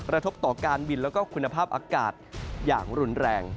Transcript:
กระทบต่อการบินแล้วก็คุณภาพอากาศอย่างรุนแรง